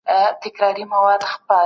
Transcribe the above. قصاص د عدل د تلو د برابرولو وسیله ده.